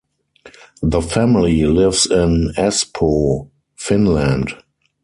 The family lives in Espoo, Finland.